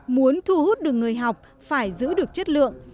muốn thu hút được người học phải giữ được chất lượng